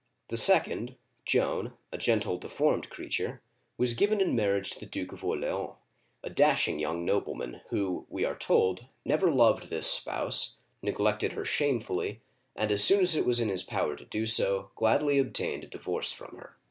The second, Joan, a gentle, deformed creature, was given in marriage to the Duke of Orleans, a dashing young nobleman, who, we are told, never loved this spouse, neglected her shamefully, and as soon as it was in his power to do so, gladly obtained a divorce from her.